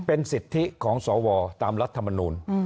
เป็นสิทธิของสอวอร์ตามรัฐมนุน